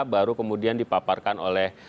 baru kemudian dipaparkan oleh